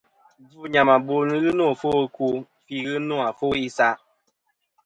Gvɨ̂ nyàmàbo nɨn ghɨ àfo ɨkwo fî ghɨ nô àfo isaʼ.